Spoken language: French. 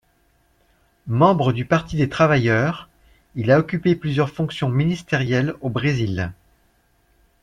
Membre du Parti des travailleurs, il a occupé plusieurs fonctions ministérielles au Brésil.